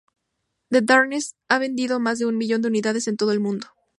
The Darkness ha vendido más de un millón de unidades en todo el mundo.